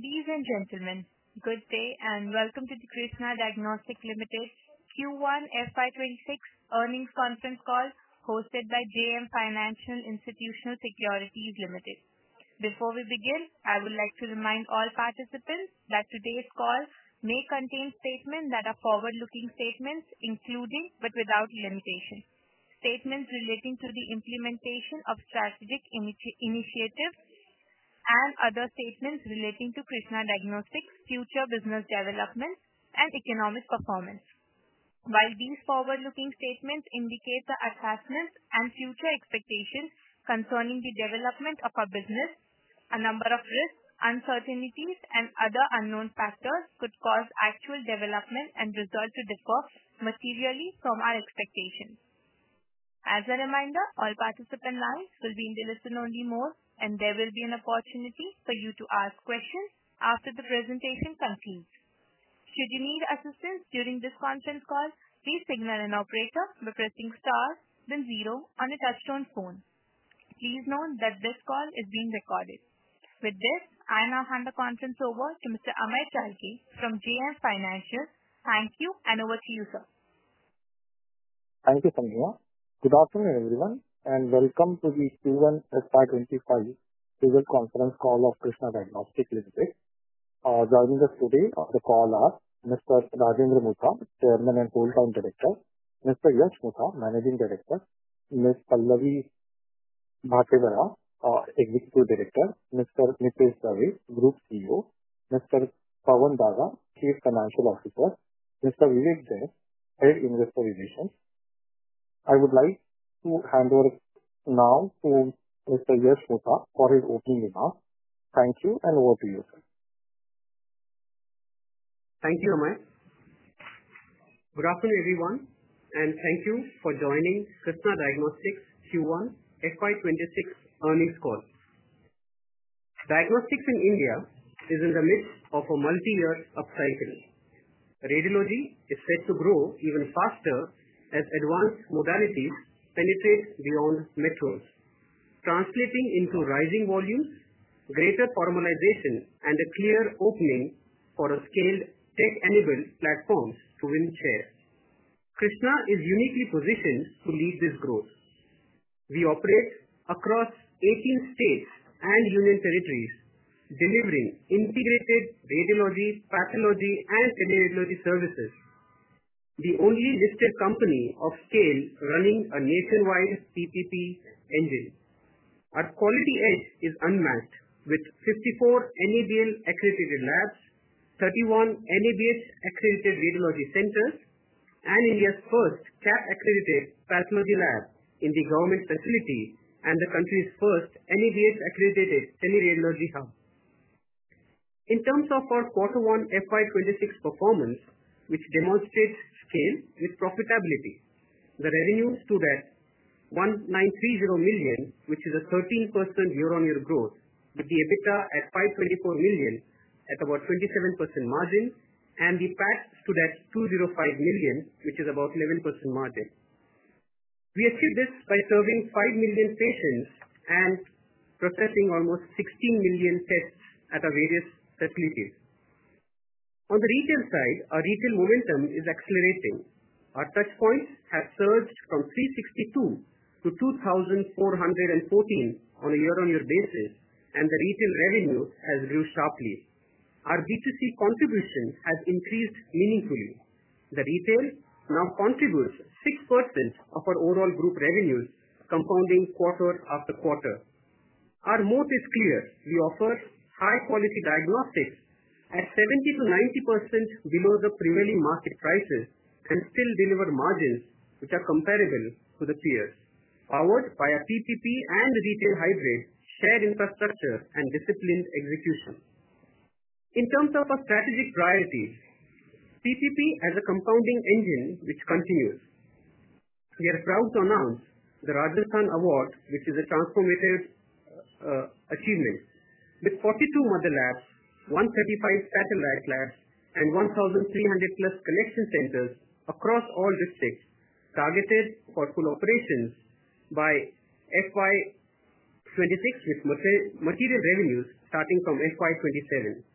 Ladies and gentlemen, good day and welcome to the Krsnaa Diagnostics Limited's Q1 FY 2026 Earnings Conference Call hosted by JM Financial Institutional Securities Limited. Before we begin, I would like to remind all participants that today's call may contain statements that are forward-looking statements, including but without limitations, statements relating to the implementation of strategic initiatives and other statements relating to Krsnaa Diagnostics' future business development and economic performance. While these forward-looking statements indicate the assessments and future expectations concerning the development of our business, a number of risks, uncertainties, and other unknown factors could cause actual development and result to default materially from our expectations. As a reminder, all participant lines will be in the listen-only mode, and there will be an opportunity for you to ask questions after the presentation concludes. Should you need assistance during this conference call, please signal an operator by pressing star, then zero on a touchtone phone. Please note that this call is being recorded. With this, I now hand the conference over to Mr. Amey Chalke from JM Financial. Thank you and over to you, sir. Thank you, Sandhya. Good afternoon, everyone, and welcome to the Q1 FY 2025 Conference Call Of Krsnaa Diagnostics Limited. Joining us today on the call are Mr. Rajendra Mutha, Chairman and Whole-Time Director, Mr. Yash Mutha, Managing Director, Ms. Pallavi Bhatevara, Executive Director, Mr. Mitesh Dave, Group CEO, Mr. Pawan Daga, Chief Financial Officer, and Mr. Vivek Jain, Head, Investor Division. I would like to hand over now to Mr. Yash Mutha for his opening remarks. Thank you and over to you. Thank you, Am. Good afternoon, everyone, and thank you for joining Krsnaa Diagnostics' Q1 FY 2026 Earnings Call. Diagnostics in India is in the midst of a multi-year upcycling. Radiology is set to grow even faster as advanced modalities penetrate beyond metros, translating into rising volumes, greater formalization, and a clear opening for a scaled tech-enabled platform to win share. Krsnaa is uniquely positioned to lead this growth. We operate across 18 states and union territories, delivering integrated radiology, pathology, and immunology services. The only listed company of scale running a nationwide PPP engine. Our quality edge is unmatched with 54 NABL accredited labs, 31 NABH accredited radiology centers, and India's first CAP-accredited pathology lab in the government facility and the country's first NABH accredited teleradiology hub. In terms of our Q1 FY 2026 performance, which demonstrates scale with profitability, the revenue stood at 1,930 million, which is a 13% year-on-year growth, with the EBITDA at 524 million at about 27% margin, and the PAT stood at 205 million, which is about 11% margin. We achieved this by serving 5 million patients and processing almost 16 million tests at our various facilities. On the retail side, our retail momentum is accelerating. Our touchpoints have surged from 362 to 2,414 on a year-on-year basis, and the retail revenue has grown sharply. Our B2C contribution has increased meaningfully. The retail now contributes 6% of our overall group revenue, compounding quarter after quarter. Our moat is clear. We offer high-quality diagnostics at 70%-90% below the prevailing market prices and still deliver margins which are comparable to the peers, powered by a PPP and the retail hybrid shared infrastructure and disciplined execution. In terms of our strategic priorities, PPP as a compounding engine continues. We are proud to announce the Rajasthan Award, which is a transformative achievement, with 42 mother labs, 135 satellite labs, and 1,300+ collection centers across all districts targeted for full operations by FY 2026 with material revenues starting from FY 2027.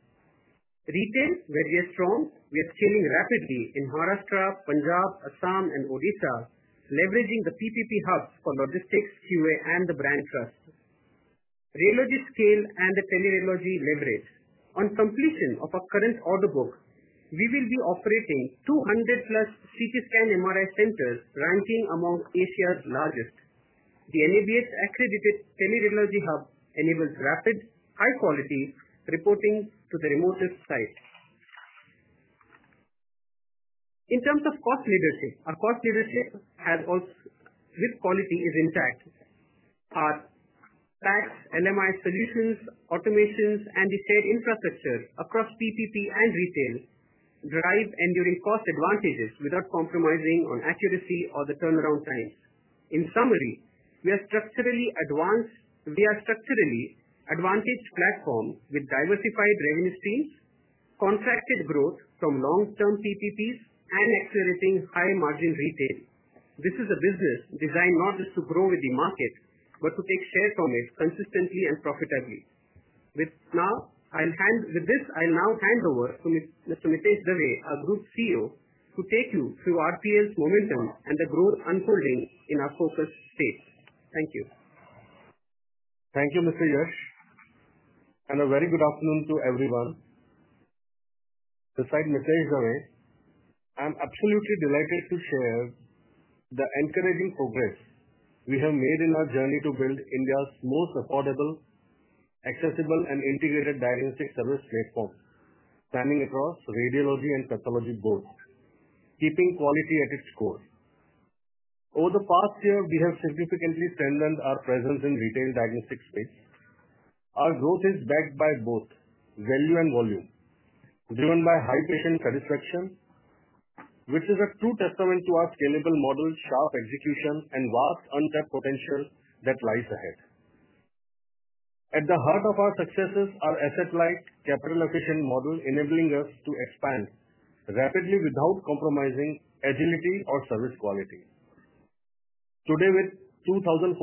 Retail, where we are strong, we are scaling rapidly in Maharashtra, Punjab, Assam, and Odisha, leveraging the PPP hubs for logistics, QA, and the brand trust. Radiology scale and the teleradiology leverage. On completion of our current order book, we will be operating 200+ CT scan MRI centers, ranking among Asia's largest. The NABH-accredited teleradiology hub enables rapid, high-quality reporting to the remotest sites. In terms of cost leadership, our cost leadership also with quality is intact. Our PATs, NMI solutions, automations, and the shared infrastructure across PPP and retail drive enduring cost advantages without compromising on accuracy or the turnaround times. In summary, we are a structurally advanced platform with diversified revenue streams, contracted growth from long-term PPPs, and accelerating high-margin retail. This is a business designed not just to grow with the market, but to take share from it consistently and profitably. With this, I'll now hand over to Mitesh Dave, our Group CEO, to take you through our P&L's momentum and the growth unfolding in our focus states. Thank you. Thank you, Mr. Yash. A very good afternoon to everyone. This side Mitesh Dave, I'm absolutely delighted to share the encouraging progress we have made in our journey to build India's most affordable, accessible, and integrated diagnostic service platform, spanning across radiology and pathology both, keeping quality at its core. Over the past year, we have significantly strengthened our presence in the retail diagnostics space. Our growth is backed by both value and volume, driven by high patient satisfaction, which is a true testament to our scalable model, sharp execution, and vast untapped potential that lies ahead. At the heart of our successes is our asset-light capital allocation model, enabling us to expand rapidly without compromising agility or service quality. Today, with 2,400+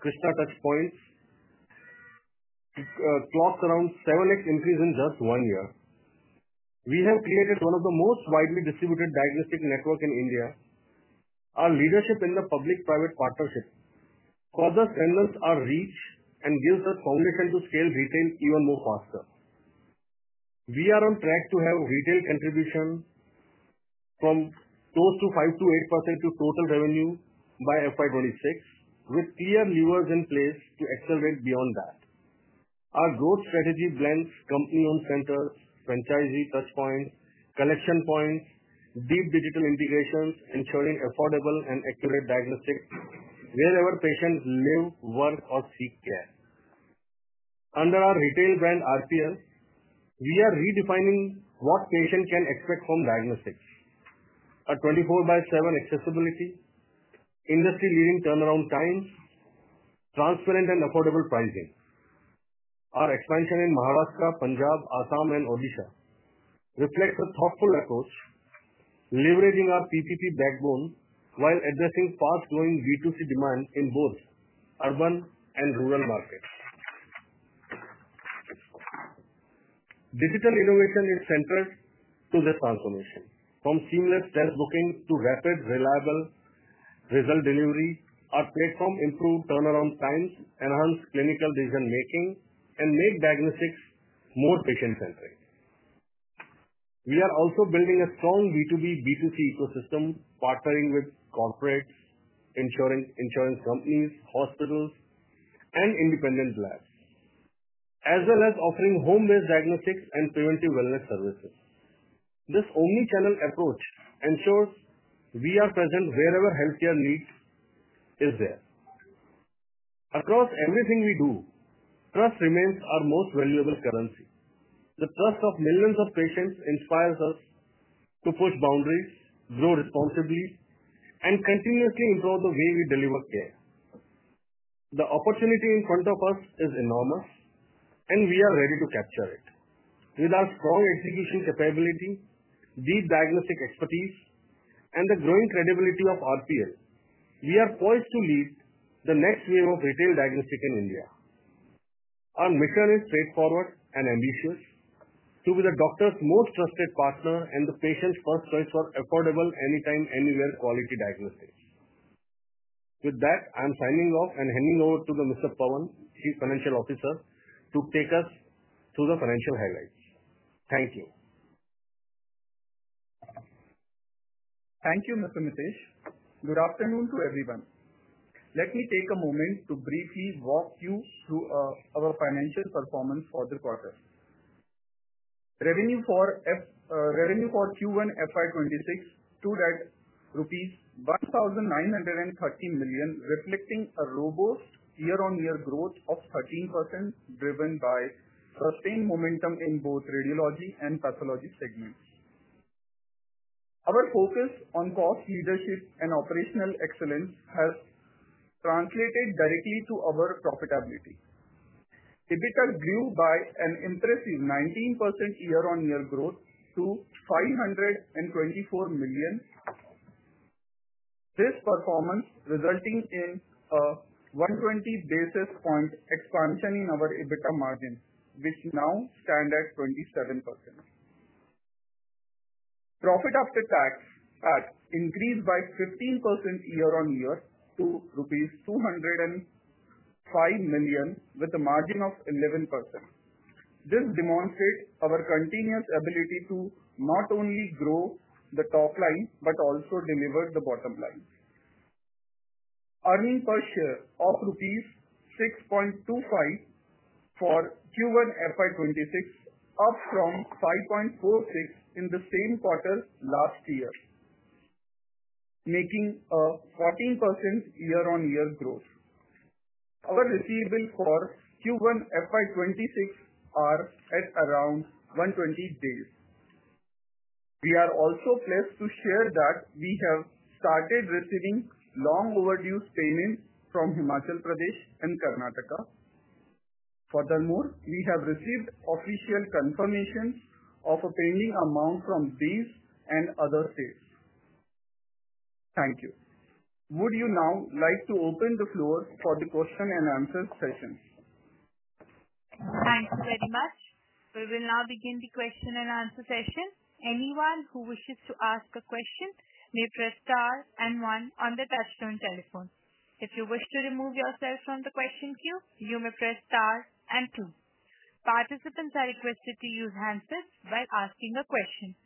Krsnaa touchpoints, clocked around 7x increase in just one year, we have created one of the most widely distributed diagnostic networks in India. Our leadership in the public-private partnership further strengthens our reach and gives us a foundation to scale retail even faster. We are on track to have retail contribution from close to 5%-8% of total revenue by FY 2026, with clear levers in place to accelerate beyond that. Our growth strategy blends company-owned centers, franchisee touchpoints, collection points, deep digital integrations, ensuring affordable and accurate diagnostics wherever patients live, work, or seek care. Under our retail brand RPL, we are redefining what patients can expect from diagnostics: 24/7 accessibility, industry-leading turnaround times, transparent, and affordable pricing. Our expansion in Maharashtra, Punjab, Assam, and Odisha reflects a thoughtful approach, leveraging our PPP backbone while addressing fast-growing B2C demand in both urban and rural markets. Digital innovation is central to the transformation, from seamless health bookings to rapid, reliable result delivery. Our platform improves turnaround times, enhances clinical decision-making, and makes diagnostics more patient-centric. We are also building a strong B2B and B2C ecosystem, partnering with corporates, insurance companies, hospitals, and independent labs, as well as offering home-based diagnostics and preventive wellness services. This omnichannel approach ensures we are present wherever healthcare needs are there. Across everything we do, trust remains our most valuable currency. The trust of millions of patients inspires us to push boundaries, grow responsibly, and continuously improve the way we deliver care. The opportunity in front of us is enormous, and we are ready to capture it. With our strong execution capability, deep diagnostic expertise, and the growing credibility of RPL, we are poised to lead the next wave of retail diagnostics in India. Our mission is straightforward and ambitious: to be the doctor's most trusted partner and the patient's first choice for affordable, anytime, anywhere quality diagnostics. With that, I'm signing off and handing over to Mr. Pawan, Chief Financial Officer, to take us through the financial highlights. Thank you. Thank you, Mr. Mitesh. Good afternoon to everyone. Let me take a moment to briefly walk you through our financial performance for the quarter. Revenue for Q1 FY 2026 stood at about rupees 1,930 million, reflecting a robust year-on-year growth of 13%, driven by sustained momentum in both radiology and pathology segments. Our focus on cost leadership and operational excellence has translated directly to our profitability. EBITDA grew by an impressive 19% year-on-year to INR 524 million. This performance resulted in a 120 basis point expansion in our EBITDA margin, which now stands at 27%. Profit after tax increased by 15% year-on-year to rupees 205 million, with a margin of 11%. This demonstrates our continuous ability to not only grow the top line but also deliver the bottom line. Earnings per share of rupees 6.25 for Q1 FY 2026 are up from 5.46 in the same quarter last year, making a 14% year-on-year growth. Our receivables for Q1 FY 2026 are at around 120 days. We are also pleased to share that we have started receiving long-overdue payments from Himachal Pradesh and Karnataka. Furthermore, we have received official confirmations of a payment amount from these and other states. Thank you. Would you now like to open the floor for the question-and-answer session? Thank you very much. We will now begin the question-and-answer session. Anyone who wishes to ask a question may press star and one on the touchtone telephone. If you wish to remove yourself from the question queue, you may press star and two. Participants are requested to use handsets while asking a question.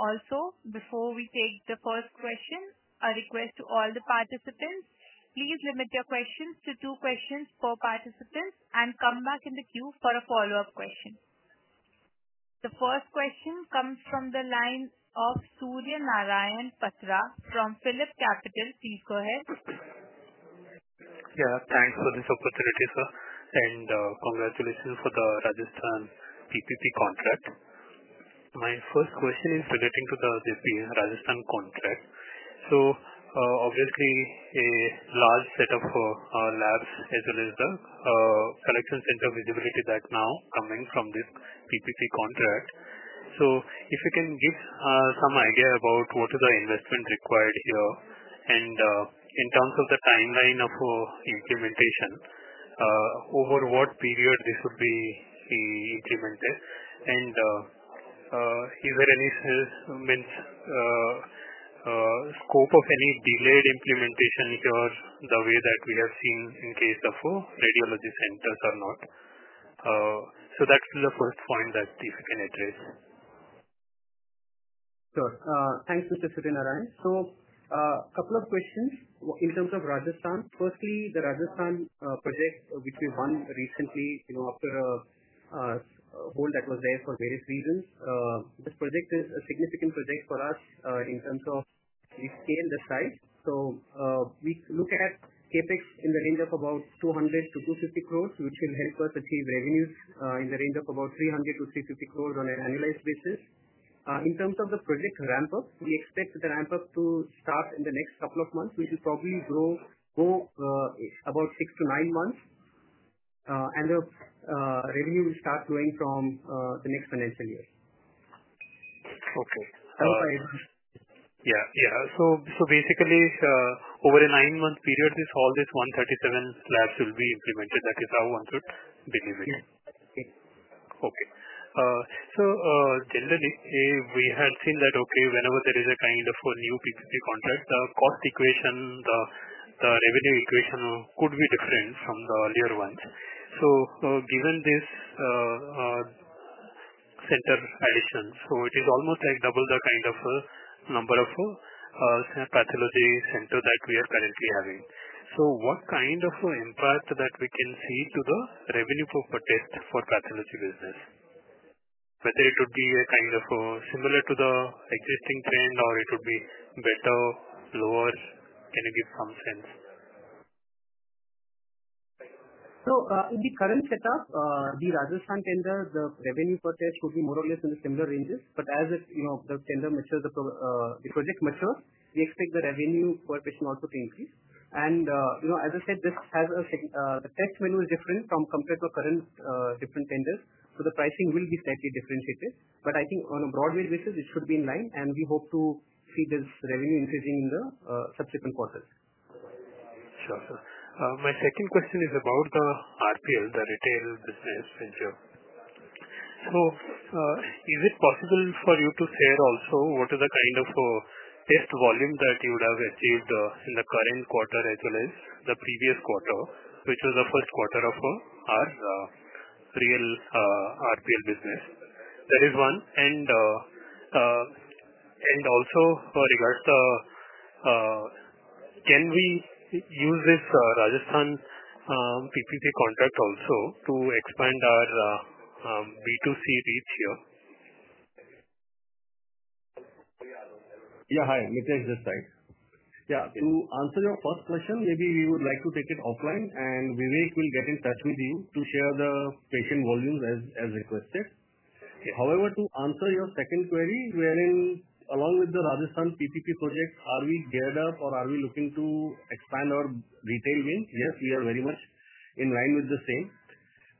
Also, before we take the first question, a request to all the participants: please limit your questions to two questions per participant and come back in the queue for a follow-up question. The first question comes from the line of Surya Narayan Patra from PhillipCapital. Please go ahead. Yeah, thanks for the opportunity, sir, and congratulations for the Rajasthan PPP contract. My first question is relating to the Rajasthan contract. Obviously, a large setup for our labs as well as the collection center visibility that's now coming from this PPP contract. If you can give some idea about what is the investment required here and in terms of the timeline of implementation, over what period this would be implemented and is there any sense of scope of any delayed implementation here the way that we have seen in case of radiology centers or not? That's the first point that if you can address. Sure. Thanks, Mr. Surya Narayan. A couple of questions in terms of Rajasthan. Firstly, the Rajasthan project, which we won recently after a hold that was there for various reasons, is a significant project for us in terms of scale and size. We look at CapEx in the range of about 200-250 crores, which will help us achieve revenues in the range of about 300-350 crores on an annualized basis. In terms of the project ramp-up, we expect the ramp-up to start in the next couple of months. We should probably grow for about six to nine months, and the revenue will start growing from the next financial year. Okay. Sorry. Yeah, yeah. Basically, over a nine-month period, this whole 137 labs will be implemented like it's our 100 believing. Yes. Okay. Generally, we had seen that whenever there is a kind of a new PPP contract, the cost equation, the revenue equation could be different from the earlier ones. Given this center addition, it is almost like double the kind of a number of pathology centers that we are currently having. What kind of impact can we see to the revenue per test for pathology business? Whether it would be kind of similar to the existing trend or it would be better, lower, can you give some sense? In the current setup, the Rajasthan center, the revenue per test could be more or less in the similar ranges. As the center matures, the project matures, we expect the revenue per patient also to increase. As I said, the test venue is different compared to our current different vendors, so the pricing will be slightly differentiated. I think on a broad way basis, it should be in line, and we hope to see this revenue increasing in the subsequent quarters. Sure. My second question is about the RPL, the retail business in general. Is it possible for you to share also what is the kind of test volume that you would have achieved in the current quarter as well as the previous quarter, which was the first quarter of our real RPL business? That is one. Also, regarding the, can we use this Rajasthan PPP contract also to expand our B2C reach here? Yeah, hi. Mitesh this side. To answer your first question, maybe we would like to take it offline, and Vivek will get in touch with you to share the patient volumes as requested. However, to answer your second query, we are in along with the Rajasthan PPP project, are we geared up or are we looking to expand our retail wing? Yes, we are very much in line with the same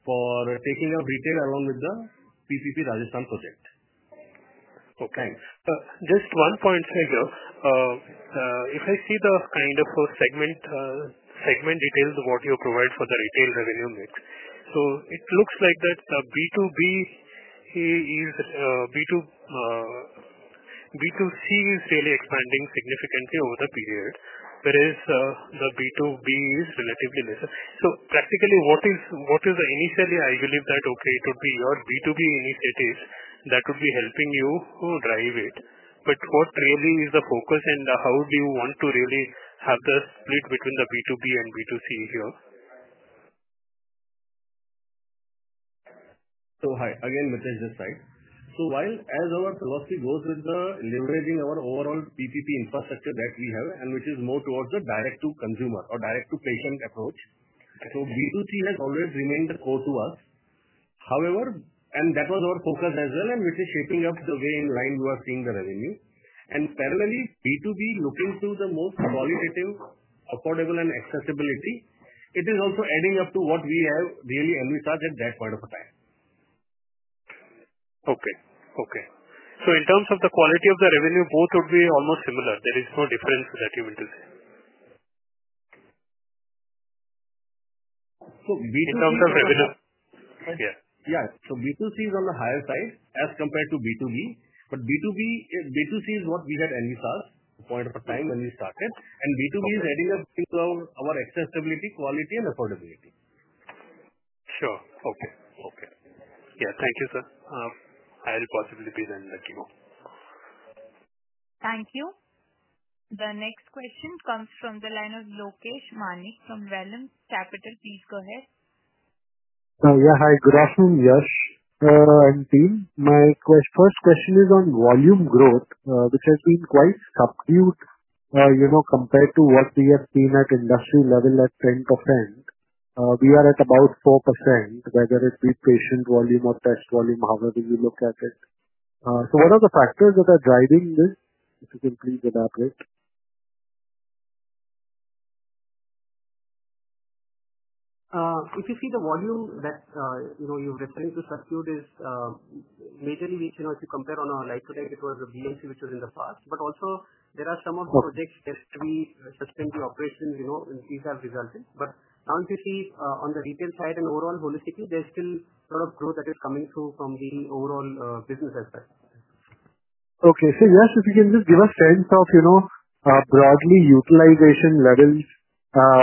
for taking up retail along with the PPP Rajasthan project. Okay. Just one point, sir, here. If I see the kind of segment details of what you provide for the retail revenue mix, it looks like the B2C is really expanding significantly over the period, whereas the B2B is relatively less. Practically, what is initially, I believe that it would be your B2B initiatives that would be helping you drive it. What really is the focus and how do you want to really have the split between the B2B and B2C here? Hi. Again, Mitesh this side. While as our philosophy goes with leveraging our overall PPP infrastructure that we have, which is more towards the direct-to-consumer or direct-to-patient approach, B2C has always remained the core to us. However, that was our focus as well, which is shaping up to the way in line we are seeing the revenue. Parallely, B2B, looking through the most commoditative, affordable, and accessibility, is also adding up to what we have really, and we started that part of the path. Okay. In terms of the quality of the revenue, both would be almost similar. There is no difference that you would do. So, B2C. In terms of revenue. Yeah. B2C is on the higher side as compared to B2B. B2B B2C is what we had analyzed at the point of the time when we started, and B2B is adding up to our accessibility, quality, and affordability. Sure. Okay. Thank you, sir. I'll pass it to the presenter. Thank you. The next question comes from the line of Lokesh Manik from Valluum Capital. Please go ahead. Hi. Good afternoon. Yes. My first question is on volume growth, which has been quite subdued compared to what we have seen at the industrial level at 10%. We are at about 4%, whether it be patient volume or test volume, however you look at it. What are the factors that are driving this? If you can please elaborate? If you see the volume that you've returned to subdued is majorly, you know, if you compare on our life track, it was the BMC, which was in the first. Also, there are some of the projects just we sustained the operation, you know, these have resulted. Once you see on the retail side and overall holistically, there's still a lot of growth that is coming through from the overall business aspect. Okay. Yes, if you can just give us a sense of, you know, broadly utilization level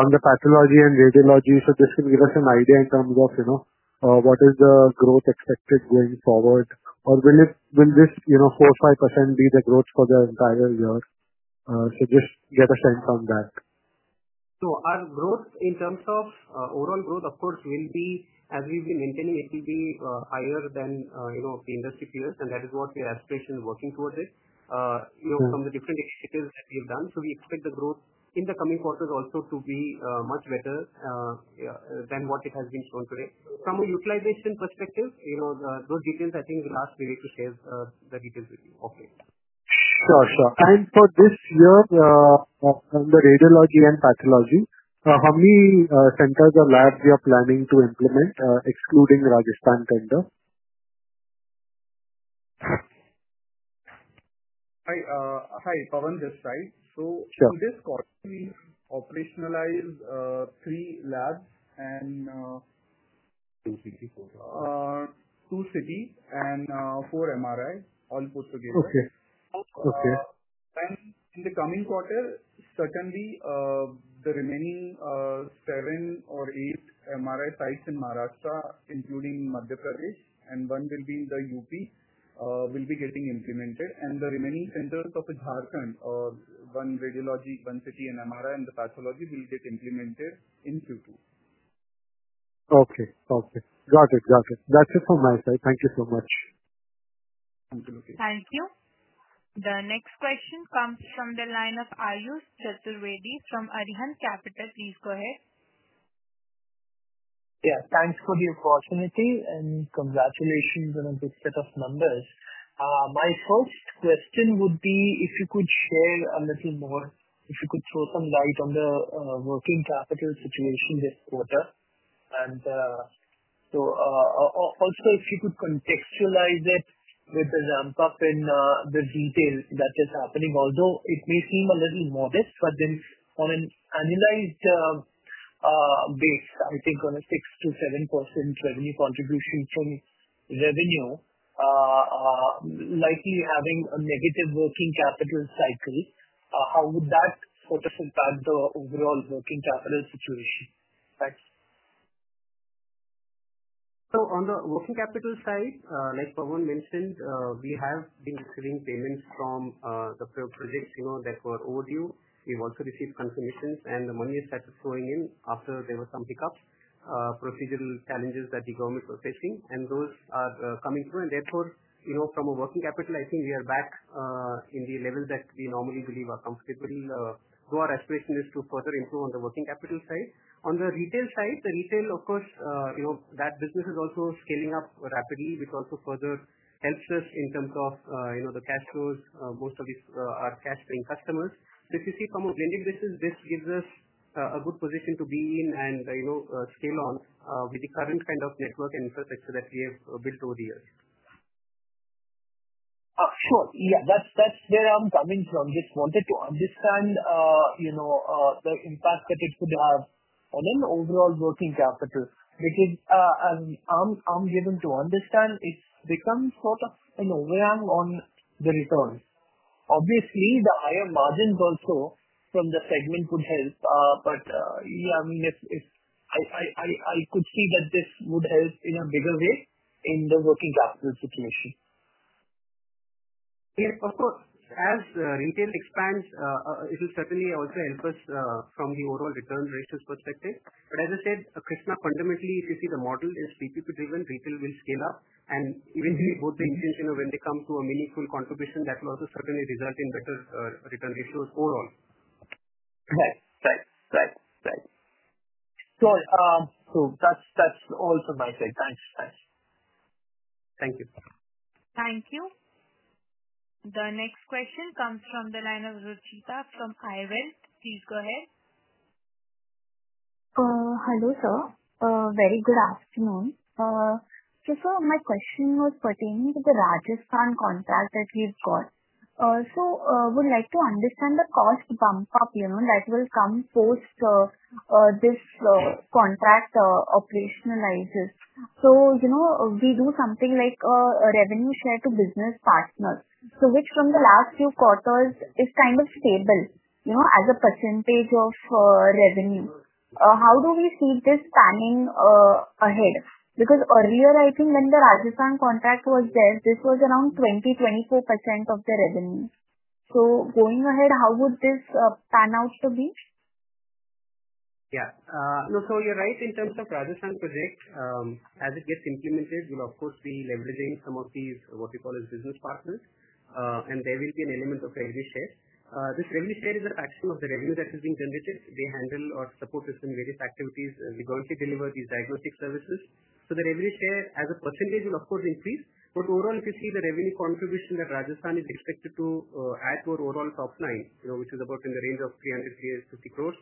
on the pathology and radiology, just to give us an idea in terms of, you know, what is the growth expected going forward? Will this, you know, 4% or 5% be the growth for the entire year? Just get a sense on that. Our growth in terms of overall growth, of course, will be as we've been maintaining it to be higher than, you know, the industry PL, and that is what we're aspiration working towards it. You know, from the different initiatives that we've done, we expect the growth in the coming quarters also to be much better than what it has been shown today. From a utilization perspective, those details, I think, we'll ask Vivek to share the details with you. Okay. Sure. I thought this year, on the radiology and pathology, how many centers or labs you are planning to implement, excluding Rajasthan center? Hi. Pawan this side. In this quarter, we operationalized three labs. Two CTs. Two CTs and four MRIs, all put together. Okay. Okay. In the coming quarter, certainly, the remaining seven or eight MRI sites in Maharashtra, including Madhya Pradesh, and one will be in UP, will be getting implemented. The remaining centers of Dhakar, one radiology, one CT, and MRI, and the pathology will get implemented in Q2. Okay. Okay. Got it. Got it. That's it from my side. Thank you so much. Thank you. Thank you. The next question comes from the line of Ayush Chaturvedi from Arihant Capital. Please go ahead. Yes. Thanks for the opportunity and congratulations on a big set of numbers. My first question would be if you could share a little more, if you could throw some light on the working capital situation this quarter. Also, if you could contextualize it with a ramp-up in the retail that is happening. Although it may seem a little modest, on an annualized basis, I think on a 6%-7% revenue contribution from revenue, likely having a negative working capital cycle, how would that quarter impact the overall working capital situation? Thanks. On the working capital side, like Pawan mentioned, we have been receiving payments from the prior projects that were overdue. We've also received confirmations, and the money is starting to flow in after there were some hiccups, procedural challenges that the government was facing. Those are coming through. Therefore, from a working capital perspective, I think we are back in the level that we normally believe is comfortable. Our aspiration is to further improve on the working capital side. On the retail side, the retail, of course, that business is also scaling up rapidly, which also further helps us in terms of the cash flows. Most of these are cash-stream customers. If you see from a vending business, this gives us a good position to be in and scale on with the current kind of network and infrastructure that we have built over the years. Oh. Sure. That's where I'm coming from. Just wanted to understand, you know, the impact that it could have on an overall working capital because I'm able to understand it becomes sort of an overhang on the return. Obviously, the higher margins also from the segment would help. I mean, I could see that this would help in a bigger way in the working capital situation. Yeah, of course. As retail expands, it will certainly also help us from the overall return ratios perspective. As I said, Krsnaa, fundamentally, if you see the model is PPP-driven, retail will scale up. Even if you note the instance, you know, when they come to a meaningful contribution, that will also certainly result in better return ratios overall. Right. That's all from my side. Thanks. Thank you. Thank you. The next question comes from the line of Rucheeta from iWealth. Please go ahead. Hello, sir. Very good afternoon. My question was pertaining to the Rajasthan contract that we've got. I would like to understand the cost bump up that will come post this contract operationalizes. We do something like a revenue share to business partners, which from the last few quarters is kind of stable as a percentage of revenue. How do we see this panning ahead? Because earlier, I think when the Rajasthan contract was there, this was around 20%-25% of the revenue. Going ahead, how would this pan out to be? Yeah, no, so you're right. In terms of Rajasthan projects, as it gets implemented, we'll, of course, be leveraging some of these, what we call as business partners, and there will be an element of revenue share. This revenue share is a fraction of the revenue that is being generated. They handle our support system in various activities. We currently deliver these diagnostic services. The revenue share as a percentage will, of course, increase. Overall, if you see the revenue contribution that Rajasthan is expected to add to our overall top line, which is about in the range of 300-350 crore,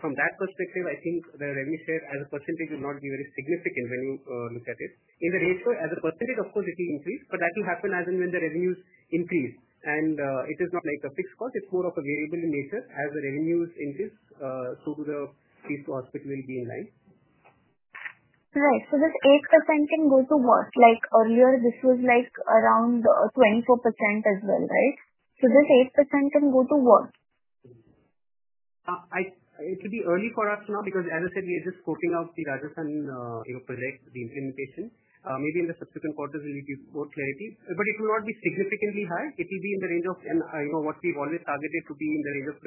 from that perspective, I think the revenue share as a % will not be very significant when you look at it. In the range or as a percentage, of course, it will increase, but that will happen as and when the revenues increase. It is not like a fixed cost. It's more of a variable in nature. As the revenues increase, so do the fees to hospital will be in line. Right. This 8% can go to what? Earlier, this was around 24% as well, right? This 8% can go to what? It should be early for us now because, as I said, we are just scoping out the Rajasthan project, the invitation. Maybe in the subsequent quarters, we'll need more clarity. It will not be significantly high. It will be in the range of, you know, what we've always targeted to be in the range of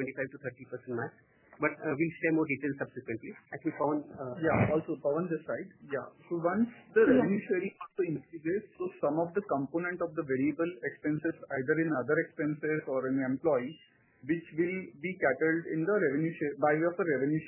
25%-30% max. We'll share more details subsequently as we found. Yeah. Also, Pawan this side. Yeah. One, the revenue sharing to increase, so some of the component of the variable expenses, either in other expenses or in the employee, which will be catered in the revenue share by the revenue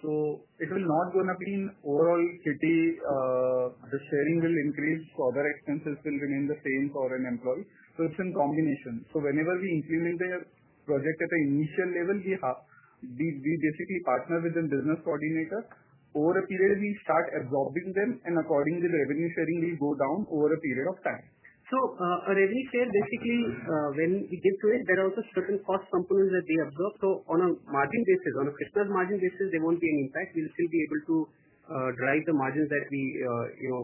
sharing. It will not going to be an overall city. The sharing will increase for other expenses, will remain the same for an employee. It's in combination. Whenever we implement their project at the initial level, we basically partner with the business coordinator. Over a period, we start absorbing them, and according to the revenue sharing, we go down over a period of time. A revenue share, basically, when it gets to it, there are also certain cost components that they absorb. On a margin basis, on a fixed margin basis, there won't be an impact. We'll still be able to drive the margins that we, you know,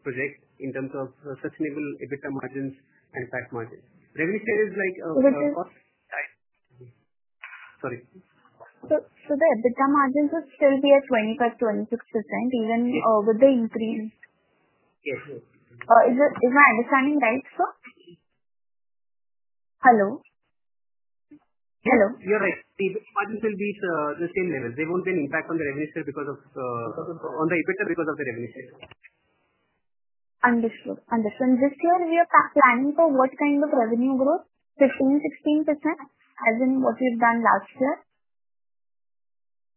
project in terms of sustainable EBITDA margins and PAT margins. Will the EBITDA margins still be at 25% even with the increase? Yes. Is my understanding right, sir? Hello? Hello? You're right. The EBITDA margins will be the same level. There won't be an impact on the EBITDA because of the revenue share. Understood. This year, we are planning for what kind of revenue growth? 15%, 16% as in what we've done last year?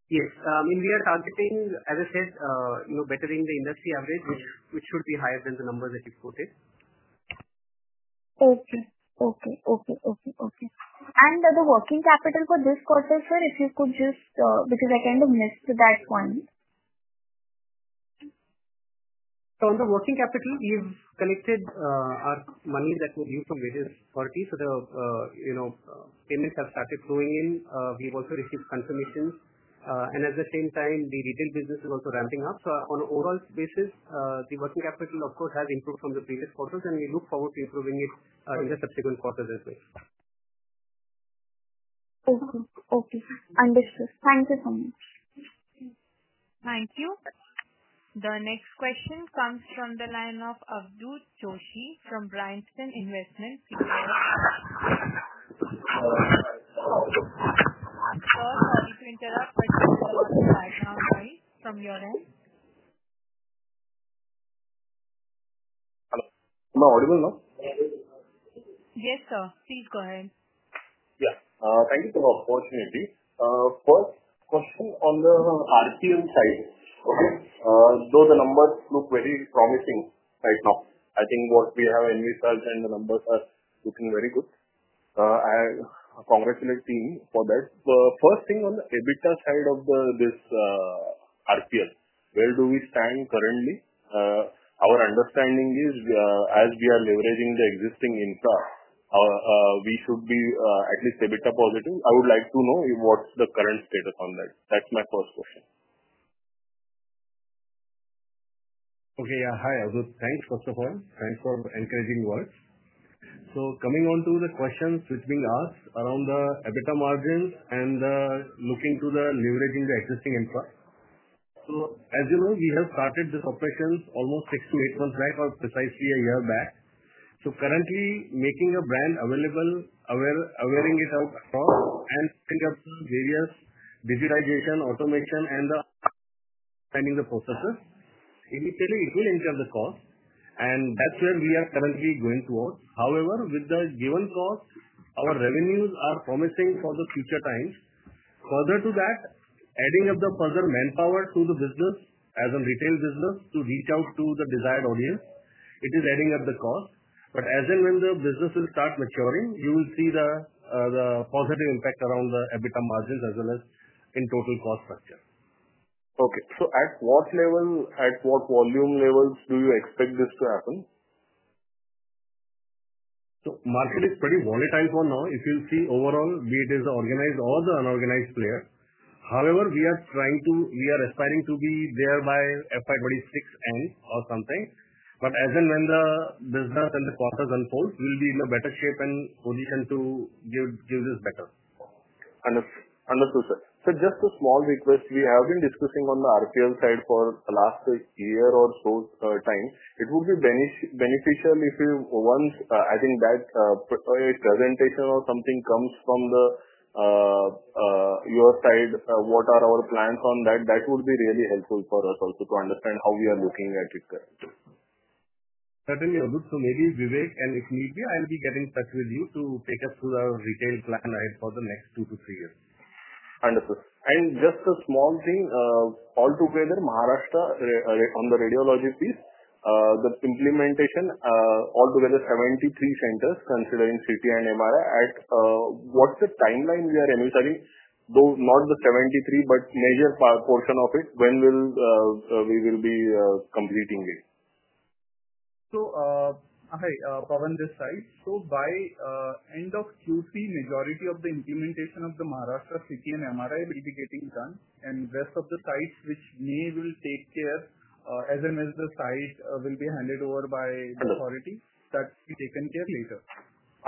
Yes. I mean, we are targeting, as I said, you know, bettering the industry average, which should be higher than the numbers that you quoted. Okay. Okay. Okay. Okay. The working capital for this quarter, sir, if you could just, because I kind of missed that one. On the working capital, we've collected our money that we've used from various parties. The payments have started flowing in. We've also received confirmations. At the same time, the retail business is also ramping up. On an overall basis, the working capital, of course, has improved from the previous quarters, and we look forward to improving it in the subsequent quarters as well. Okay. Okay. Understood. Thank you so much. Thank you. The next question comes from the line of Avadhoot Joshi from Bryanston Investment. Sir, if you interrupt, I found ice from your end. No, what do we know? Yes, sir. Please go ahead. Thank you for the opportunity. First question on the RPM side. Though the numbers look very promising right now, I think what we have in research and the numbers are looking very good. I congratulate the team for that. First thing on the EBITDA side of this, RPM, where do we stand currently? Our understanding is, as we are leveraging the existing infra, we should be at least EBITDA positive. I would like to know what's the current status on that. That's my first question. Okay. Yeah. Hi, Avadhoot. Thanks, first of all. Thanks for encouraging words. Coming on to the questions which have been asked around the EBITDA margins and looking to leveraging the existing infra, as you know, we have started the operations almost six to eight months back or precisely a year back. Currently, making a brand available, wearing it out for and think of various digitization, automation, and the processes, it will increase the cost. That's where we are currently going towards. However, with the given cost, our revenues are promising for the future times. Further to that, adding up the further manpower to the business as a retail business to reach out to the desired audience, it is adding up the cost. As and when the business will start maturing, you will see the positive impact around the EBITDA margins as well as in total cost structure. At what volume levels do you expect this to happen? The market is pretty volatile for now. If you see overall, be it organized or the unorganized player, we are trying to, we are aspiring to be there by FY 2026 end or something. As and when the business and the quarters unfold, we'll be in a better shape and position to give this better. Understood, sir. Just a small request. We have been discussing on the RPM side for the last year or so. It would be beneficial if, once a presentation or something comes from your side, you could share what our plans are on that. That would be really helpful for us also to understand how we are looking at it currently. Certainly, Avadhoot. Maybe Vivek, and if need be, I'll be getting in touch with you to take us through our retail plan ahead for the next two to three years. Understood. Just a small thing, altogether, Maharashtra on the radiology piece, the implementation, altogether 73 centers considering CT and MRI. What's the timeline we are revisiting, though not the 73, but major portion of it? When will we be completing it? Hi, Pawan this side. By end of Q3, majority of the implementation of the Maharashtra CT & MRI will be getting done. The rest of the sites, which may take care, as and as the sites will be handed over by the authority, that will be taken care later.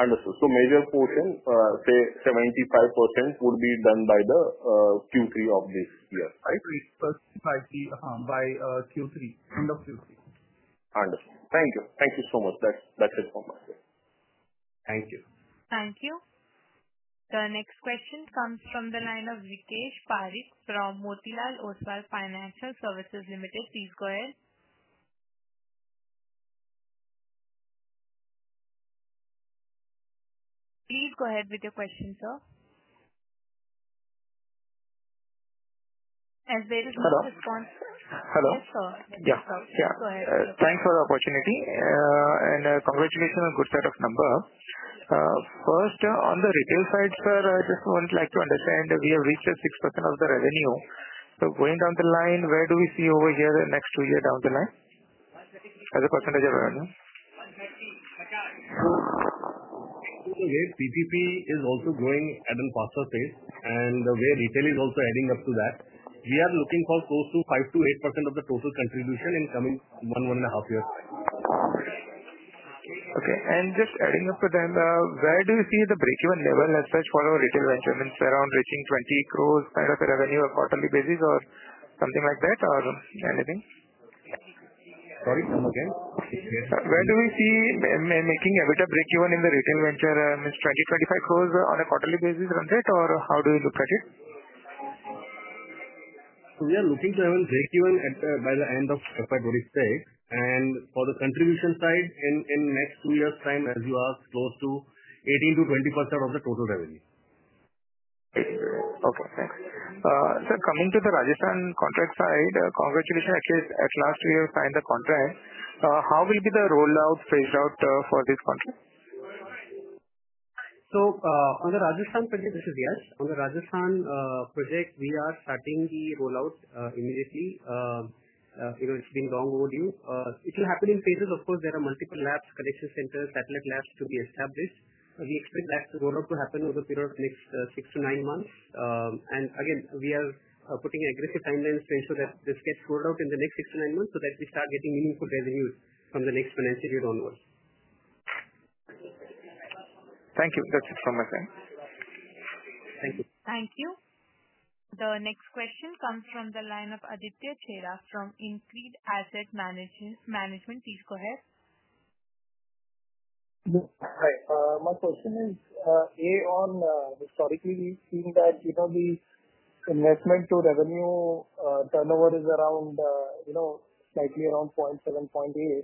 Understood. Major portion, say, 75%, would be done by the Q3 of this year, right? Yes, by end of Q3. Understood. Thank you. Thank you so much. That's it for me. Thank you. Thank you. The next question comes from the line of Rikesh Parikh from Motilal Oswal Financial Services Limited. Please go ahead with your question, sir. As there is a response. Hello. Sir, go ahead. Thanks for the opportunity, and congratulations on a good set of numbers. First, on the retail side, sir, I just wanted to understand, we have reached the 6% of the revenue. Going down the line, where do we see over here the next two years down the line as a percentage of revenue? Yes, PPP is also growing at a faster pace, and the way retail is also adding up to that. We are looking for close to 5%-8% of the total contribution in the coming one, one and a half years. Okay. Just adding up to that, where do you see the break-even level as such for our retail venture? I mean, around reaching 20 crore kind of a revenue on a quarterly basis or something like that or anything? Sorry, come again? Where do we see making a break-even in the retail venture? I mean, 20-25 crore on a quarterly basis run rate, or how do you look at it? We are looking to have a break-even by the end of FY 2026, and for the contribution side in the next two years' time, as you asked, close to 18- 20% of the total revenue. Okay. Thanks. Sir, coming to the Rajasthan contract side, congratulations at last we signed the contract. How will be the rollout phase out for this contract? On the Rajasthan project, yes, we are starting the rollout immediately. It's been long overdue. It will happen in phases. Of course, there are multiple labs, collection centers, and satellite labs to be established. We expect that rollout to happen over a period of the next six to nine months. We are putting aggressive timelines to ensure that this gets rolled out in the next six to nine months so that we start getting meaningful revenues from the next financial year onwards. Thank you. That's it from my side. Thank you. Thank you. The next question comes from the line of Aditya Chheda from InCred Asset Management. Please go ahead. Hi. My question is, A, on historically, we've seen that, you know, the investment to revenue turnover is around, you know, slightly around 0.7x, 0.8x.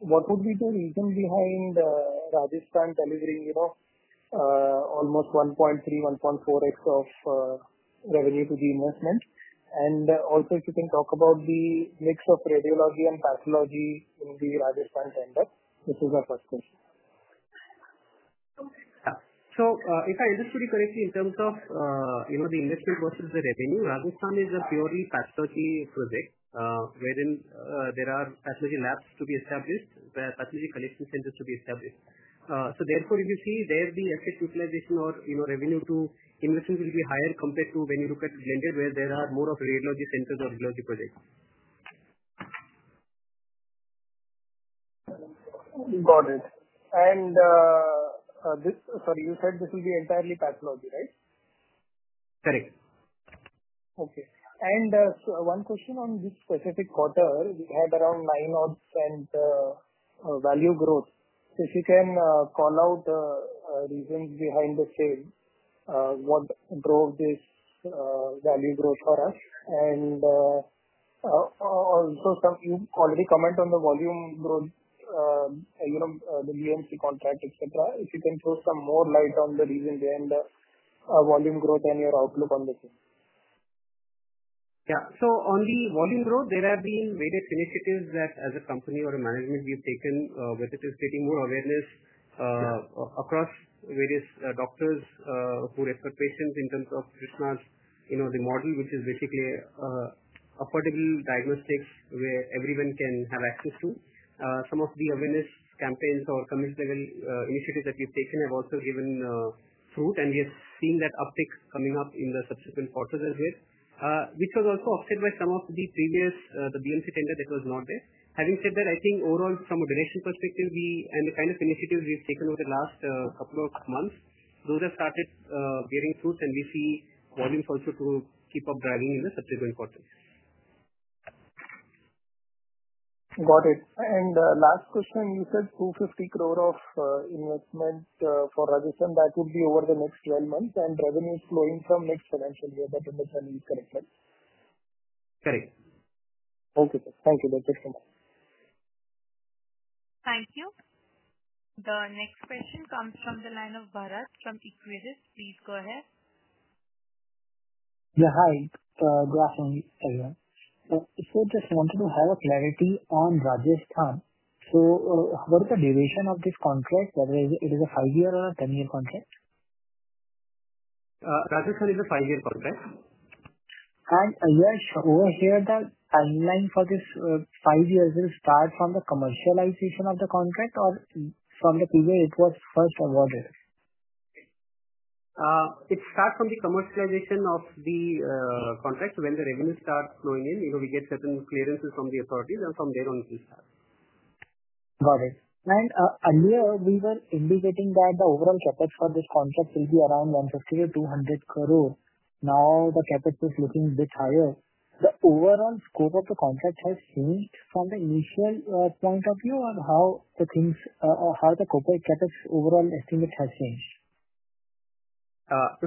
What would be the reason behind the Rajasthan delivery, you know, almost 1.3x, 1.4x of revenue to the investment? If you can talk about the mix of radiology and pathology in the Rajasthan tender, this is my first question. If I understood it correctly, in terms of the industry versus the revenue, Rajasthan is a purely pathology project wherein there are pathology labs to be established, pathology collection centers to be established. Therefore, if you see there, the asset utilization or revenue to investment will be higher compared to when you look at the vendor where there are more of radiology centers or radiology projects. Got it. Sorry, you said this will be entirely pathology, right? Correct. Okay. One question on this specific quarter. We had around 9% value growth. If you can call out the reasons behind the change, what drove this value growth for us? You already commented on the volume growth, the BMC contract, etc. If you can put some more light on the reason behind the volume growth and your outlook on the change. Yeah. On the volume growth, there have been various initiatives that, as a company or a management, we've taken, whether it is creating more awareness across various doctors who refer patients in terms of Krsnaa's, you know, the model, which is basically an affordable diagnostics where everyone can have access to. Some of the awareness campaigns or community-level initiatives that we've taken have also given fruit, and we have seen that uptick coming up in the subsequent quarters as well. This was also offset by some of the previous, the BMC tender that was not there. Having said that, I think overall, from a direction perspective, we and the kind of initiatives we've taken over the last couple of months, those have started bearing fruits, and we see volumes also to keep up driving in the subsequent quarters. Got it. Last question, you said 250 crore of investment for Rajasthan, that would be over the next 12 months, and revenue is flowing from next financial year, but understanding is correct? Correct. Okay. Thank you, Mitesh. Thank you. The next question comes from the line of Bharat from Equiris. Please go ahead. Yeah. Hi. Sorry, sir, just wanted to have a clarity on Rajasthan. What is the duration of this contract? Is it a five-year or a 10-year contract? Rajasthan is a five-year contract. Yes, over here, the timeline for this five years will start from the commercialization of the contract or from the period it was first awarded? It starts from the commercialization of the contract. When the revenue starts flowing in, we get certain clearances from the authorities, and from there on, we start. Got it. Earlier, we were indicating that the overall coverage for this contract will be around 150, 200 crore. Now, the capital is looking a bit higher. The overall scope of the contract has changed from the initial point of view on how the things or how the corporate capital overall estimates have changed?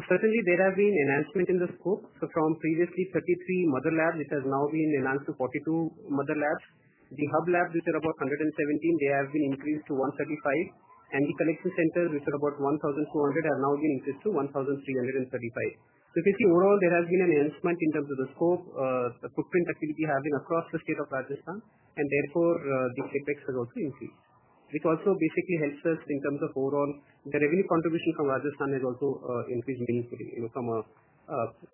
Certainly, there has been enhancement in the scope. From previously 33 mother labs, it has now been enhanced to 42 mother labs. The hub labs, which are about 117, have been increased to 135. The collection centers, which are about 1,200, have now been increased to 1,335. You can see overall, there has been an enhancement in terms of the scope, the footprint activity across the state of Rajasthan, and therefore, the CapEx has also increased, which also basically helps us in terms of overall the revenue contribution from Rajasthan has also increased immediately from a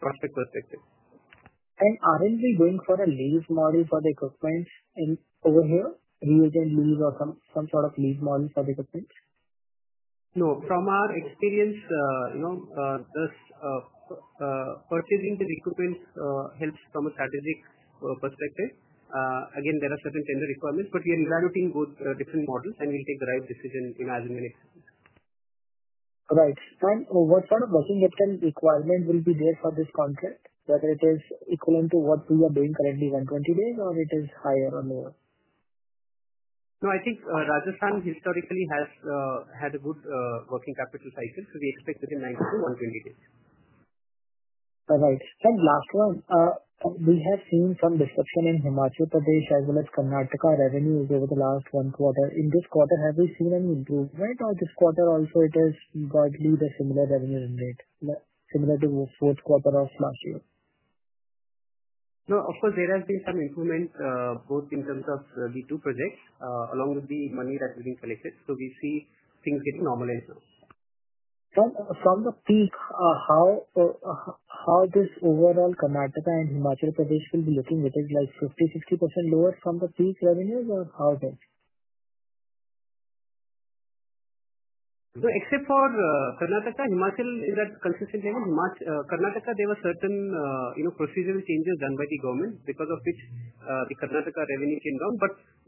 profit perspective. Are we going for a lease model for the equipment over here? You mean some sort of lease model type equipment? No. From our experience, us purchasing the equipment helps from a strategic perspective. There are certain tender requirements, but we are evaluating both different models and we'll take the right decision as and when it's. Right. What sort of working capital requirement will be there for this contract? Is it equivalent to what we are doing currently, 120 days, or is it higher or lower? No, I think Rajasthan historically has had a good working capital size, so we expect it in the next 120 days. Right. Last one, we have seen some disruption in Himachal Pradesh, as well as Karnataka revenue over the last one quarter. In this quarter, have we seen any improvement, or this quarter also it was going to be the similar revenue and rate similar to the first quarter of last year? No, of course, there has been some improvement both in terms of the two projects along with the money that we've collected. We see things getting normalized now. From the peak, how does overall Karnataka and Himachal Pradesh still be looking? Is it like 50% or 60% lower from the peak revenues, or how it is? Except for Karnataka, Himachal is at a consistent level. Karnataka, there were certain procedural changes done by the government because of which the Karnataka revenue came down.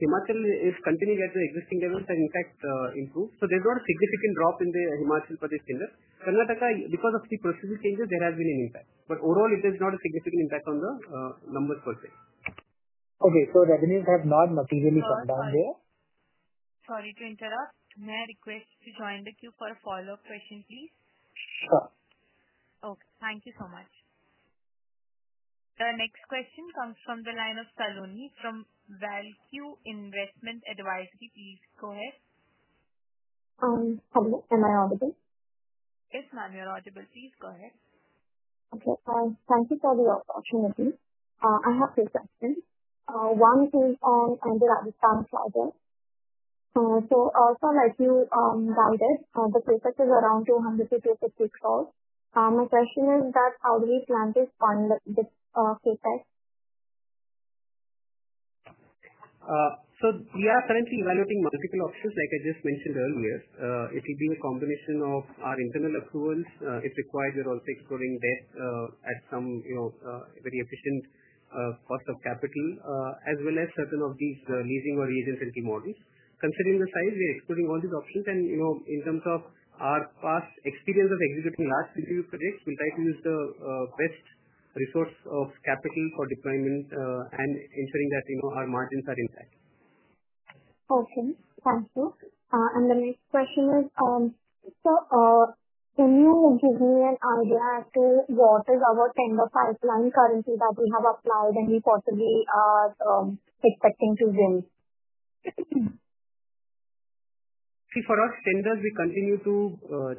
Himachal is continuing at the existing levels and, in fact, improved. There's not a significant drop in the Himachal Pradesh tender. Karnataka, because of the procedure changes, there has been an impact. Overall, there's not a significant impact on the numbers per se. Okay. Revenues have not materially come down there? Sorry to interrupt. May I request to join the queue for a follow-up question, please? Sure. Okay. Thank you so much. The next question comes from the line of Saloni from Val-Q Investment Advisory. Please go ahead. Hello. Am I audible? Yes, ma'am, you're audible. Please go ahead. Okay. Thank you for the opportunity. I have two questions. One is on the Rajasthan project. Also, like you validated, the CapEx is around 250 crore. My question is that how do we plan to fund the CapEx? We are currently evaluating multiple options, like I just mentioned earlier. It will be a combination of our internal approvals. If required, we're also exploring that at some, you know, very efficient cost of capital, as well as certain of these leasing or resale entity models. Considering the size, we're exploring all these options. In terms of our past experience of executing last two projects, we try to use the best resource of capital for deployment and ensuring that, you know, our margins are intact. Perfect. Thank you. The next question is, sir, can you give me an idea as to what is our tender pipeline currently that we have applied and we possibly are expecting to win? See, for us, tenders, we continue to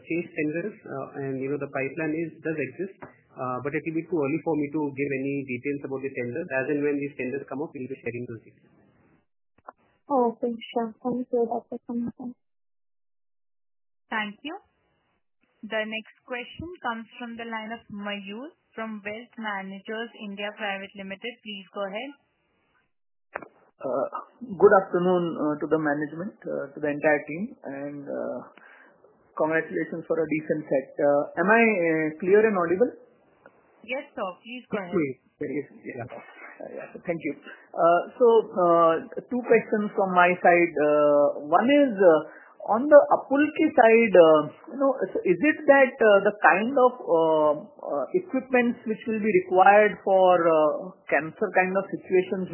chase tenders, and, you know, the pipeline does exist. It will be too early for me to give any details about the tender. As and when these tenders come up, we'll be sharing those details. All right. Thanks, sir. Thank you for that information. Thank you. The next question comes from the line of Mayur from Wealth Managers (India) Private Limited. Please go ahead. Good afternoon to the management, to the entire team, and congratulations for a decent set. Am I clear and audible? Yes, sir. Please go ahead. Okay. Thank you. Two questions from my side. One is on the Apulki side, you know, is it that the kind of equipment which will be required for cancer kind of situations,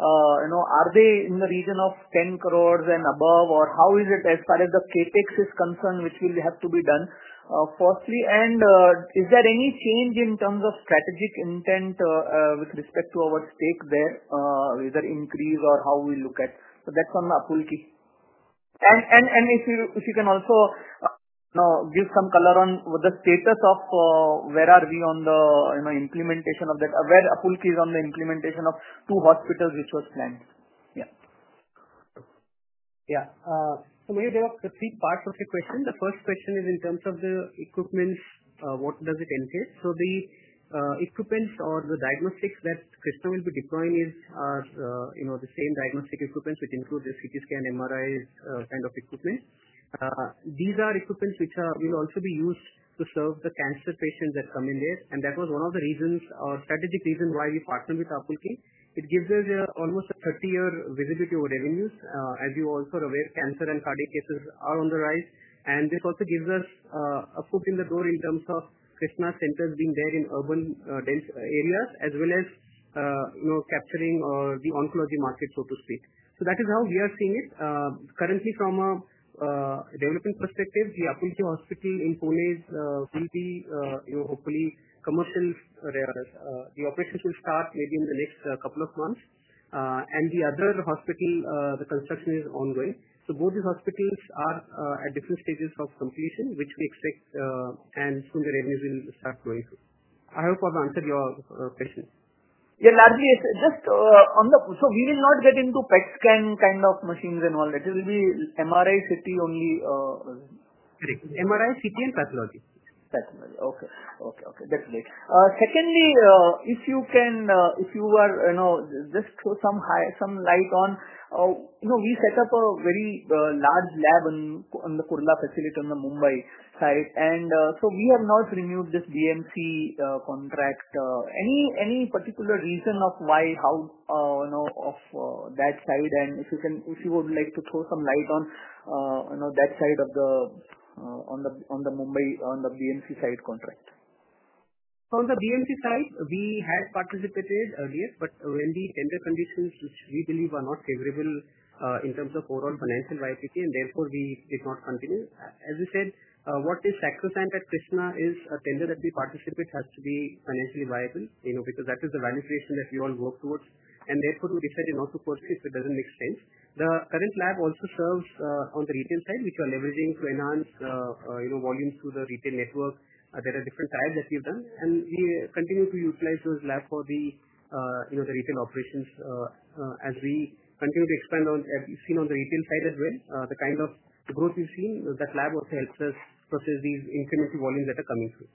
are they in the region of 10 crore and above, or how is it as far as the CapEx is concerned, which will have to be done firstly? Is there any change in terms of strategic intent with respect to our stake there, whether increase or how we look at it? That's on the Apulki. If you can also give some color on the status of where we are on the implementation of that, where Apulki is on the implementation of two hospitals which were planned. Yeah. Maybe there are three parts of the question. The first question is in terms of the equipment, what does it entail? The equipment or the diagnostics that Krsnaa will be deploying are the same diagnostic equipment, which include the CT scan, MRI kind of equipment. These are equipment which will also be used to serve the cancer patients that come in there. That was one of the reasons or the strategic reason why we partnered with Apulki. It gives us almost a 30-year visibility over revenues. As you're also aware, cancer and cardiac cases are on the rise. It also gives us a foot in the door in terms of Krsnaa centers being there in urban areas as well as, you know, capturing the oncology market, so to speak. That is how we are seeing it. Currently, from a development perspective, the Apulki Hospital in Pune will be, you know, hopefully commercial. The operations will start maybe in the next couple of months. The other hospital, the construction is ongoing. Both these hospitals are at different stages of completion, which we expect, and soon the revenues will start growing too. I hope I've answered your question. Yeah. Lastly, it's just on the push. We will not get into PET scan kind of machines and all that. It will be MRI, CT only. MRI, CT and Pathology. Pathology. Okay. Definitely. Secondly, if you can, if you are, you know, just throw some light on, you know, we set up a very large lab in the Kurla facility on the Mumbai side. We have not renewed this BMC contract. Any particular reason of why, how, you know, of that side? If you can, if you would like to throw some light on that side of the, on the Mumbai, on the BMC side contract. On the BMC side, we had participated earlier, but when the tender conditions, which we believe are not favorable in terms of overall financial viability, and therefore, we did not continue. As we said, what is sacrosanct at Krsnaa is a tender that we participate has to be financially viable, you know, because that is the value creation that we all work towards. Therefore, we decided not to pursue if it doesn't make sense. The current lab also serves on the retail side, which we are leveraging to enhance, you know, volumes through the retail network. There are different trials that we've done. We continue to utilize those labs for the retail operations as we continue to expand on everything on the retail side as well. The kind of growth we've seen, that lab also helps us process these incremental volumes that are coming through.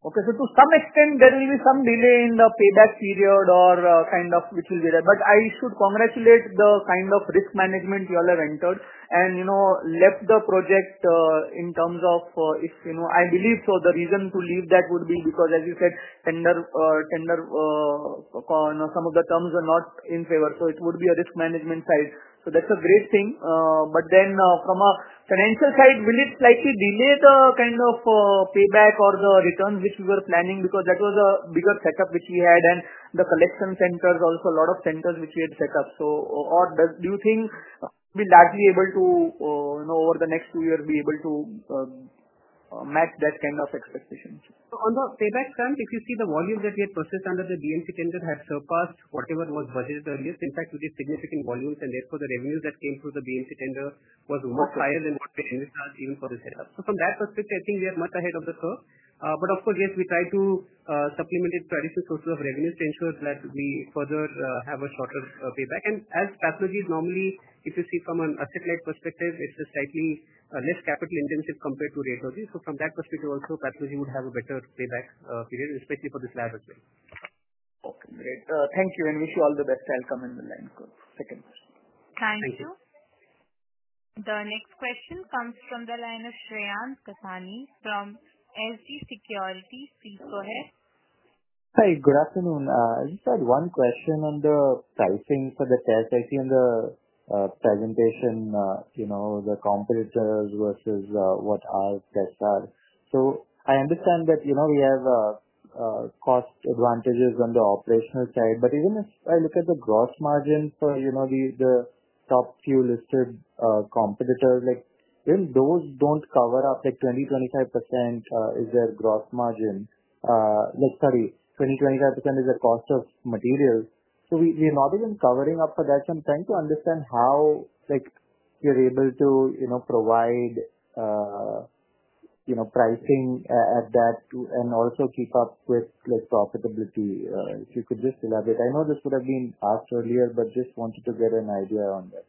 Okay. To some extent, there will be some delay in the payback period or kind of which will be there. I should congratulate the kind of risk management you all have entered and, you know, left the project in terms of, if you know, I believe so, the reason to leave that would be because, as you said, tender on some of the terms are not in favor. It would be a risk management side. That's a great thing. From a financial side, will it slightly delay the kind of payback or the returns which we were planning? That was a bigger setup which we had and the collection centers, also a lot of centers which we had set up. Do you think we'll likely be able to, you know, over the next two years, be able to match that kind of expectation? On the payback stand, if you see the volume that we had purchased under the BMC tender has surpassed whatever was budgeted earlier. In fact, it is significant volumes, and therefore, the revenues that came through the BMC tender were much higher than what we had even for the setup. From that perspective, I think we are much ahead of the curve. Of course, yes, we try to supplement the traditional sources of revenues to ensure that we further have a shorter payback. As pathology is normally, if you see from an asset-light perspective, it's a slightly less capital intensive compared to radiology. From that perspective also, pathology would have a better payback period, especially for this lab. Okay. Great. Thank you. Wish you all the best. I'll come in the line for a second. Thank you. The next question comes from the line of Shreyansh Gattani from SG Securities. Please go ahead. Hi. Good afternoon. I just had one question on the pricing for the test. I see in the presentation, you know, the competitors versus what our tests are. I understand that, you know, we have cost advantages on the operational side. Even if I look at the gross margin for, you know, the top few listed competitors, like even those don't cover up like 20%, 25%. Is their gross margin, like, sorry, 20%, 25% is the cost of materials. We're not even covering up for that. I'm trying to understand how you're able to, you know, provide, you know, pricing at that and also keep up with profitability. If you could just elaborate. I know this would have been asked earlier, but just wanted to get an idea on that.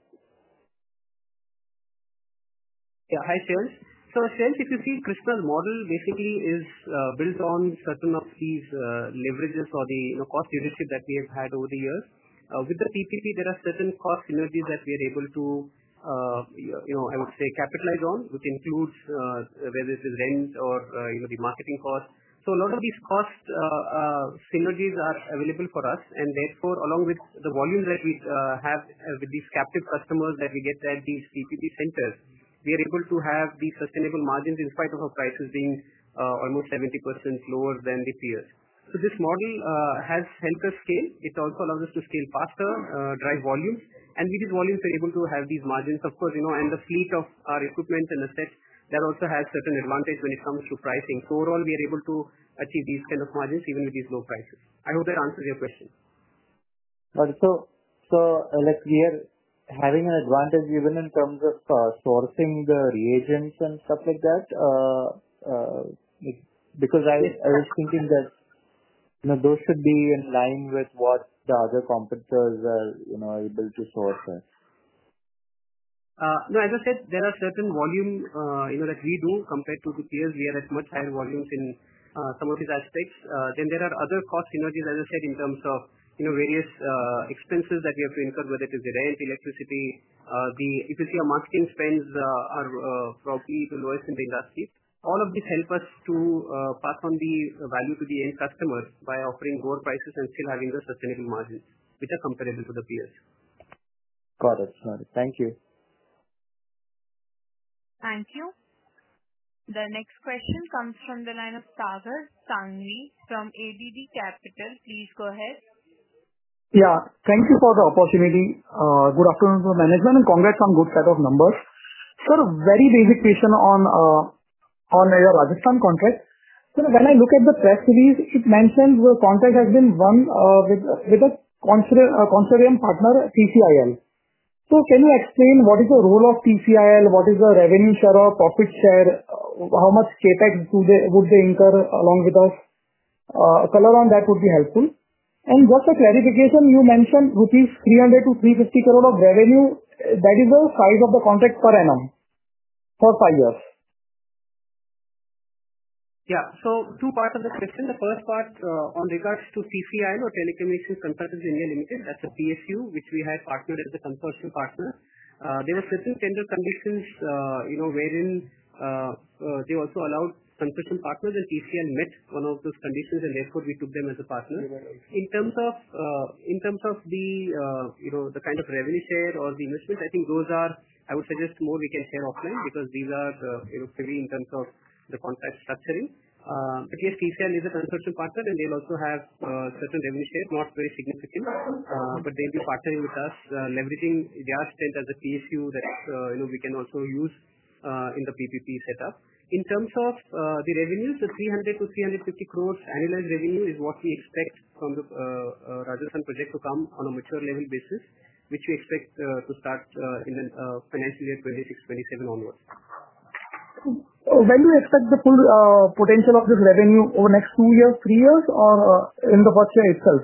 Yeah. Hi, sir. Since if you see Krsnaa's model basically is built on certain of these leverages for the cost leadership that we have had over the years, with the PPP, there are certain cost synergies that we are able to capitalize on, which includes whether it is rent or the marketing cost. A lot of these cost synergies are available for us. Therefore, along with the volume that we have with these captive customers that we get at these PPP centers, we are able to have these sustainable margins in spite of our prices being almost 70% lower than the peers. This model has helped us scale. It also allows us to scale faster, drive volumes, and with these volumes, we're able to have these margins. Of course, the fleet of our equipment and the steps that also have certain advantage when it comes to pricing. Overall, we are able to achieve these kind of margins even with these low prices. I hope that answers your question. Got it. We are having an advantage even in terms of sourcing the reagents and stuff like that. I was thinking that, you know, those could be in line with what the other competitors are able to source it. No, as I said, there are certain volume, you know, that we do compared to the peers. We are at much higher volumes in some of these aspects. There are other cost synergies, as I said, in terms of various expenses that we have to incur, whether it is rent or electricity. If you see our marketing spends, they are probably the lowest in the industry. All of these help us to pass on the value to the end customers by offering lower prices and still having the sustainable margins, which are comparable to the peers. Got it. Got it. Thank you. Thank you. The next question comes from the line of Sagar Sanghvi from ADD Capital. Please go ahead. Yeah. Thank you for the opportunity. Good afternoon to the management and congrats on a good set of numbers. Sir, a very basic question on your Rajasthan contract. When I look at the press release, it mentions the contract has been won with a consortium partner, TCIL. Can you explain what is the role of TCIL? What is the revenue share or profit share? How much CapEx would they incur along with us? A color on that would be helpful. Just a clarification, you mentioned 300-350 crore rupees of revenue. That is the size of the contract per annum for five years. Yeah. Two parts of the question. The first part in regards to TCIL or Telecommunications Consultants India Limited, that's a PSU, which we had partnered as a consortium partner. There were certain tender conditions wherein they also allowed consortium partners, and TCIL met one of those conditions, and therefore, we took them as a partner. In terms of the kind of revenue share or the investments, I think those are, I would suggest, more we can share offline because these are fully in terms of the contract structuring. Yes, TCIL is a consortium partner, and they'll also have certain revenue shares, not very significant, but they'll be partnering with us leveraging their strength as a PSU that we can also use in the PPP setup. In terms of the revenues, the INR 300--INR 350 crore annualized revenue is what we expect from the Rajasthan project to come on a mature level basis, which we expect to start in the financial year 2026, 2027 onwards. When do we expect the full potential of this revenue over the next two years, three years, or in the first year itself?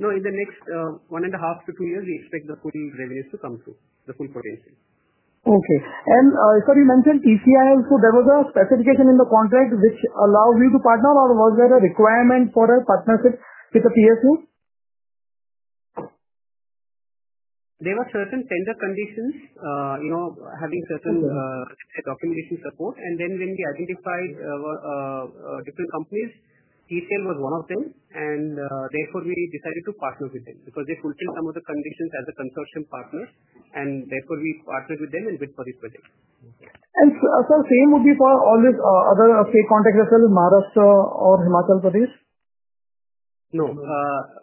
No, in the next one and a half to two years, we expect the full revenues to come through, the full potential. Okay. Sir, you mentioned TCIL. There was a specification in the contract which allowed you to partner, or was there a requirement for a partnership with the PSU? There were certain tender conditions, you know, having certain technical support. When we identified different companies, TCIL was one of them. Therefore, we decided to partner with them because they fulfilled some of the conditions as a consortium partner. We partnered with them and went for the project. Would the same be for all these other state contracts as well, Maharashtra or Himachal Pradesh? No.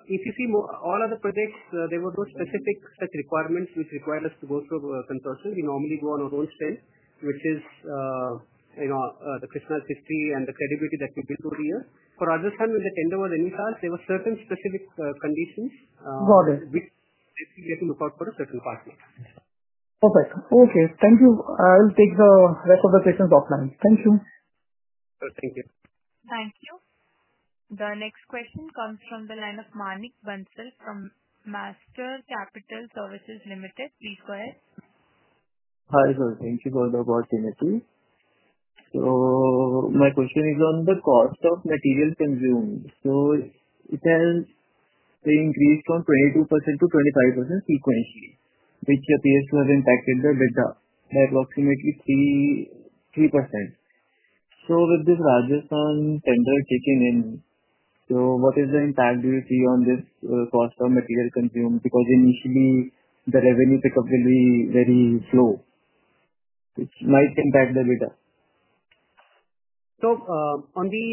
If you see all other projects, there were no specific requirements which required us to go through a consortium. We normally go on our own stand, which is, you know, the Krsnaa's history and the credibility that we build through the year. For Rajasthan, when the tender was initialized, there were certain specific conditions which we had to look out for a certain cost. Okay. Thank you. I'll take the rest of the questions offline. Thank you. Thank you. Thank you. The next question comes from the line of Manik Bansal from Master Capital Services Limited. Please go ahead. Hi, sir. Thank you for the opportunity. My question is on the cost of material consumed. It has increased from 22%-25% sequentially, which appears to have impacted the EBITDA by approximately 3%. With this Rajasthan tender kicking in, what is the impact do you see on this cost of material consumed? Initially, the revenue pickup will be very slow, which might impact the EBITDA. On the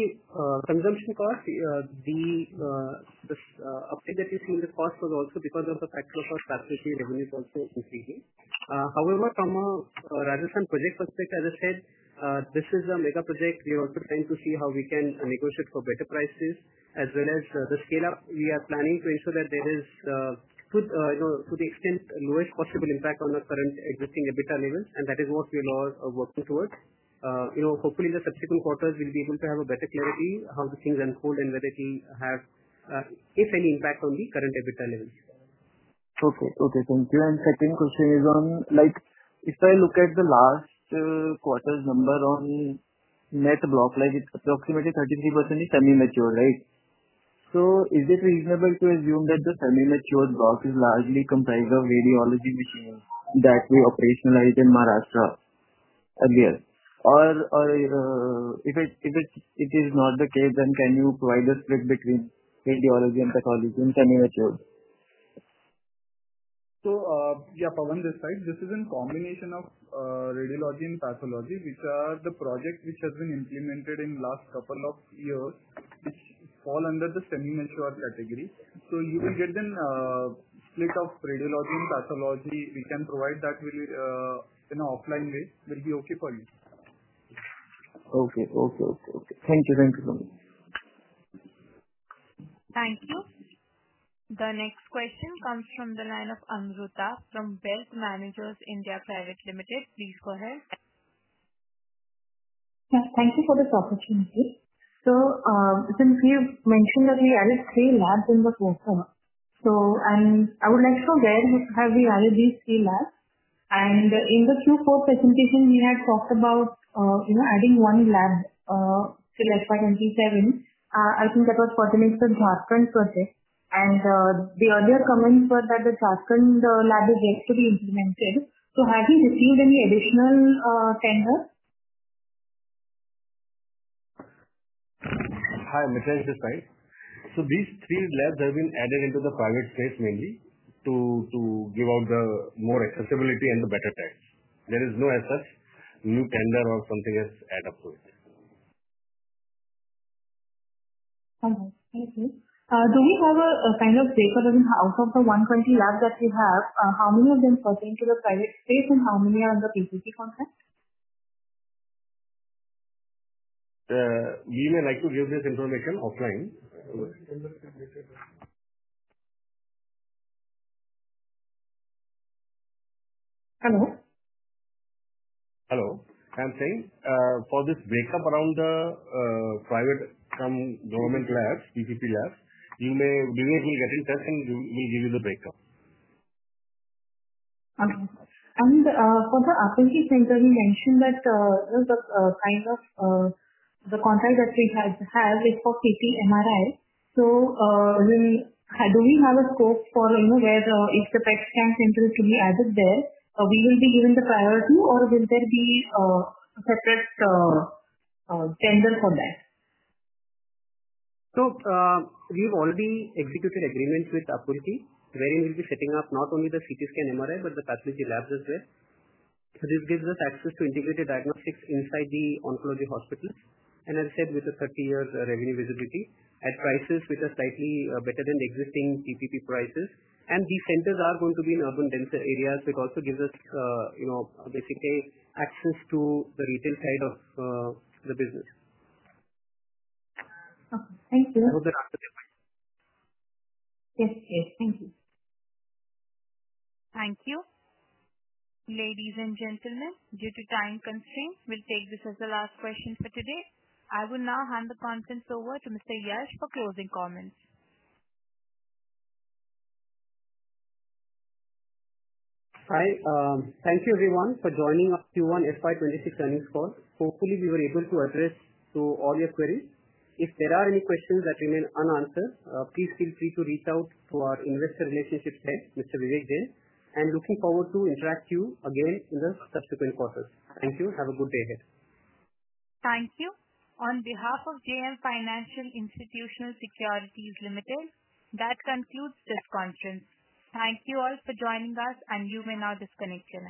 consumption cost, the uptake that we've seen in the cost was also because of the actual cost factor, revenues also increasing. However, from a Rajasthan project perspective, as I said, this is a mega project. We are also trying to see how we can negotiate for better prices, as well as the scale-up we are planning to ensure that there is to the extent lowest possible impact on the current existing EBITDA levels. That is what we'll all work towards. Hopefully, in the subsequent quarters, we'll be able to have a better clarity how the things unfold and whether they have, if any, impact on the current EBITDA levels. Okay. Thank you. Second question is on, like, if I look at the last quarter's number on net block, it's approximately 33% of the semi-mature, right? Is it reasonable to assume that the semi-matured block is largely comprised of radiology machines that we operationalized in Maharashtra earlier? If it is not the case, can you provide the split between radiology and pathology in semi-mature? Yes, Pawan this side. This is a combination of radiology and pathology, which are the projects that have been implemented in the last couple of years, which fall under the semi-mature category. You will get a split of radiology and pathology. We can provide that in an offline way. It will be okay for you. Okay. Thank you. Thank you, sir. Thank you. The next question comes from the line of Amruta Deherkar from Wealth Managers (India) Private Limited. Please go ahead. Thank you for this opportunity. Since we mentioned that we added three labs in the quarter, I would like to gather how we added these three labs. In the Q4 presentation, we had talked about adding one lab to the SYMT7. I think that was for the next adjustment project. The earlier comments were that the adjustment lab is yet to be implemented. Have we received any additional tenders? Hi, Mitesh this side. These three labs have been added into the private space mainly to give out more accessibility and better tests. There is no SSU tender or something else added to it. Okay. Thank you. Do we have a kind of breakdown of how far from the 120 labs that you have, how many of them pertain to the private space and how many are on the PPP contract? We may like to give this information offline. Hello? Hello. I'm saying for this breakup around the private from government labs, PPP labs, you may be able to get in touch and we'll give you the breakup. Okay. For the Apulki center, you mentioned that the kind of contract that we had is for CT and MRI. Do we have a scope where, if the PET scan center is to be added there, we will be given the priority, or will there be a separate tender for that? We've already executed agreements with Apulki, wherein we'll be setting up not only the CT & X-Ray, MRI, but the pathology labs as well. This gives us access to integrated diagnostics inside the oncology hospitals. As I said, with the 30-year revenue visibility, at prices which are slightly better than the existing PPP prices, these centers are going to be in urban denser areas, which also gives us, you know, basically access to the retail side of the business. Okay, thank you. Yes, yes, thank you. Thank you. Ladies and gentlemen, due to time constraints, we'll take this as the last question for today. I will now hand the contents over to Mr. Yash for closing comments. Hi. Thank you, everyone, for joining our Q1 FY 2026 earnings call. Hopefully, we were able to address all your queries. If there are any questions that remain unanswered, please feel free to reach out to our Investor Relations team, Mr. Vivek Jain. I'm looking forward to interacting with you again in the subsequent quarters. Thank you. Have a good day there. Thank you. On behalf of JM Financial Institutional Securities Limited, that concludes this conference. Thank you all for joining us, and you may now disconnect.